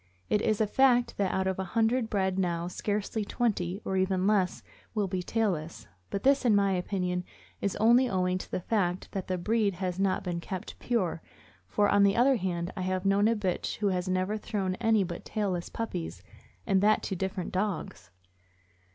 It is a fact that out of a hundred bred now scarcely twenty, or even less, will be tailless, but this, in my opinion, is only owing to the fact that the breed has not been kept pure; for, on the other hand, I have known a bitch which has never thrown any but tailless puppies, and that to different dogs.